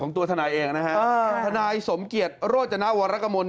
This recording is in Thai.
ของตัวทางนายเองนะครับฐานายสมเกียรติโรจนาวรรกมน